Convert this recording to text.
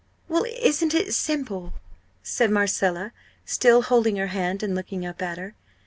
"Well, isn't it simple?" said Marcella, still holding her hand and looking up at her.